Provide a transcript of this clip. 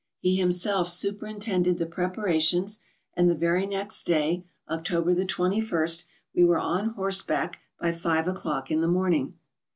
He himself superintended the preparations, and the very next day, October the 21st, we were on horseback by five o'clock in the morning.